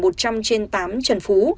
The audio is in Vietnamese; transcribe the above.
một trăm linh tám trần phú